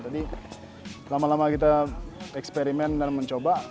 jadi lama lama kita eksperimen dan mencoba